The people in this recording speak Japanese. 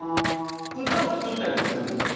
歌を作ったりもするんですか？